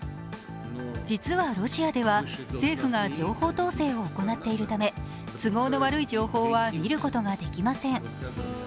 実はロシアでは政府が情報統制を行っているため都合の悪い情報は見ることができません。